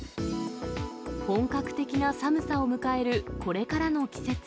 本格的な寒さを迎えるこれからの季節。